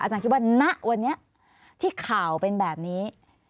อาจารย์คิดว่าณวันนี้ที่ข่าวเป็นแบบนี้